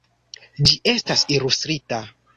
Ĝi estas ilustrita.